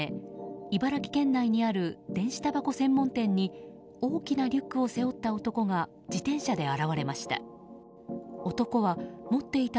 茨城県内にある電子たばこ専門店に大きなリュックを背負った男が自転車で現れました。